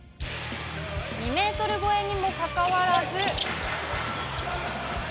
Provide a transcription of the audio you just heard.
２メートル超えにもかかわらず。